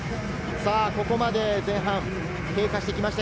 ここまで前半２５分が経過してきました。